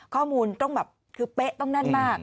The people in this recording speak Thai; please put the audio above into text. ข้อมูลต้องแบบคือเป๊ะต้องแน่นมาก